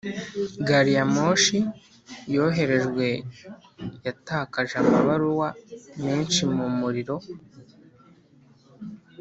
gari ya moshi yoherejwe yatakaje amabaruwa menshi mu muriro.